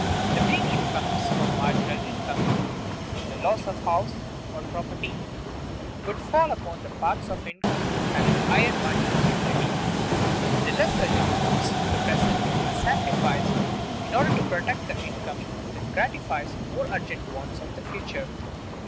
The premium comes from marginal income; the loss of house or property would fall upon the parts of income having higher marginal utility. The less urgent wants of the present are sacrificed in order to protect the income that gratifies the more urgent wants of the future.